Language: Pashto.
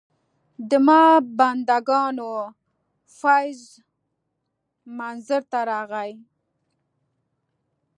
د ما بندګانو فیض منظر ته راغی.